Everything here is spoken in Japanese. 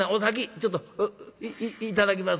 ちょっといただきます。